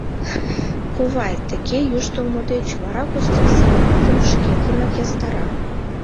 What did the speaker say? — Кувай, тыге йӱштылмӧ деч вара Костя салматым шкетынак ястара.